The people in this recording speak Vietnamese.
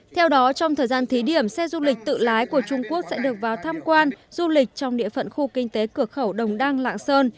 theo đó trong thời gian thí điểm xe du lịch tự lái của trung quốc sẽ được vào tham quan du lịch trong địa phận khu kinh tế cửa khẩu đồng đăng lạng sơn